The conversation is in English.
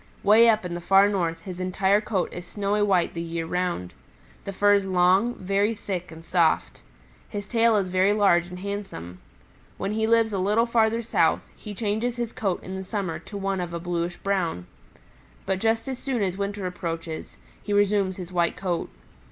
Way up in the Far North his entire coat is snowy white the year round. The fur is long, very thick and soft. His tail is very large and handsome. When he lives a little farther south, he changes his coat in the summer to one of a bluish brown. But just as soon as winter approaches, he resumes his white coat.